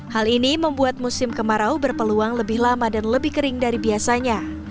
hal ini membuat musim kemarau berpeluang lebih lama dan lebih kering dari biasanya